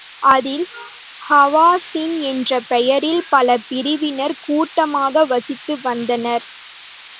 அதில் ஹவாஸின் என்ற பெயரில் பல பிரிவினர் கூட்டமாக வசித்து வந்தனர்.